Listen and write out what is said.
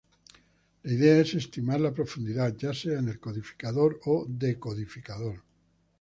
La idea es estimar la profundidad, ya sea en el codificador o decodificador.